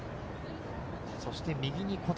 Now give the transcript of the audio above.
そして右に小谷。